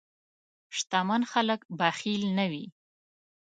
شتمن خلک بخیل نه وي.